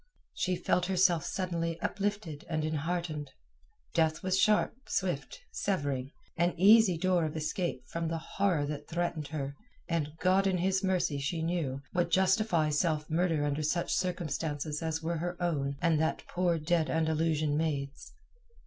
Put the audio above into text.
She felt herself suddenly uplifted and enheartened. Death was a sharp, swift severing, an easy door of escape from the horror that threatened her, and God in His mercy, she knew, would justify self murder under such circumstances as were her own and that poor dead Andalusian maid's.